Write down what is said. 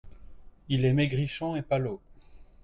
Il est maigrichon et palot.